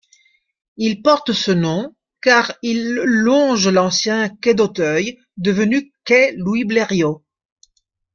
Il porte ce nom car il longe l'ancien quai d'Auteuil devenu quai Louis-Blériot.